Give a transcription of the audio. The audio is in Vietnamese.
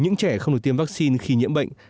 những trẻ không được tiêm vaccine khi nhiễm bệnh